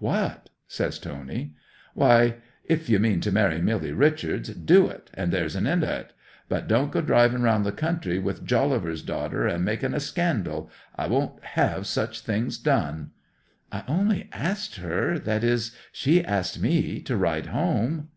'"What?" says Tony. '"Why, if you mean to marry Milly Richards, do it, and there's an end o't. But don't go driving about the country with Jolliver's daughter and making a scandal. I won't have such things done." '"I only asked her—that is, she asked me, to ride home."